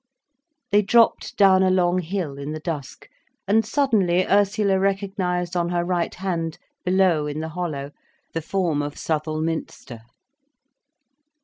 They dropped down a long hill in the dusk, and suddenly Ursula recognised on her right hand, below in the hollow, the form of Southwell Minster.